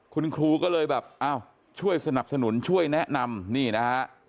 คุณครูก็เลยแบบอ้าวช่วยสนับสนุนช่วยแนะนำนี่นะฮะ